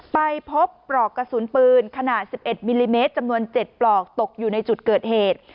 ไปพบปลอกกระสุนปืนขนาด๑๑มิลลิเมตรจำนวน๗ปลอกตกอยู่ในจุดเกิดเหตุ